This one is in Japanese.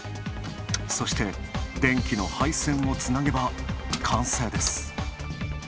そして、電気の配線をつなげば完成です。